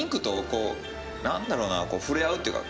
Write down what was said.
何だろうな触れ合うっていうか。